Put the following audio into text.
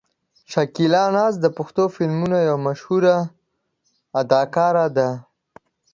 شکیلا ناز د پښتو فلمونو یوه مشهوره اداکاره ده.